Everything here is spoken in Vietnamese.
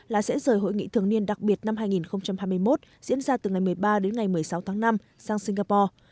là sẽ rời hội nghị thường niên đặc biệt năm hai nghìn hai mươi một diễn ra từ ngày một mươi ba đến ngày một mươi sáu tháng năm sang singapore